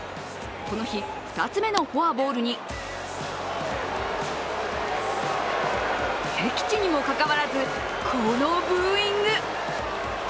この日、２つ目のフォアボールに、敵地にもかかわらずこのブーイング。